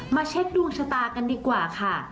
เช็คดวงชะตากันดีกว่าค่ะ